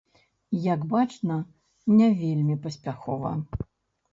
Як бачна, не вельмі паспяхова.